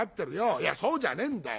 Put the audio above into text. いやそうじゃねえんだよ。